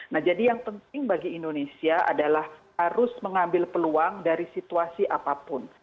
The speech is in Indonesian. nah jadi yang penting bagi indonesia adalah harus mengambil peluang dari situasi apapun